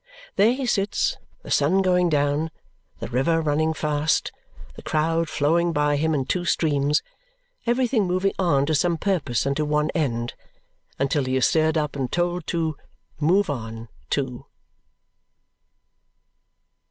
There he sits, the sun going down, the river running fast, the crowd flowing by him in two streams everything moving on to some purpose and to one end until he is stirred up and told to "move on" too.